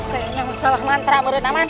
kayaknya masalah mantra meren aman